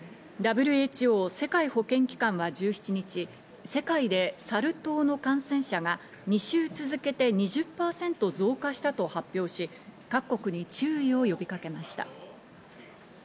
ＷＨＯ＝世界保健機関は１７日、世界でサル痘の感染者が２週続けて２０％増加したと発表し、各国に注意を呼びかけました。